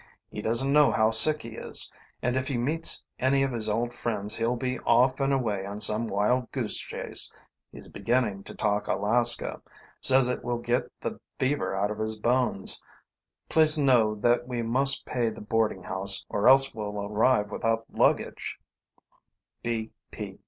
He doesn't know how sick he is, and if he meets any of his old friends he'll be off and away on some wild goose chase. He's beginning to talk Alaska. Says it will get the fever out of his bones. Please know that we must pay the boarding house, or else we'll arrive without luggage.